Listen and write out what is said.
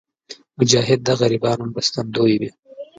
مجاهد د غریبانو مرستندوی وي.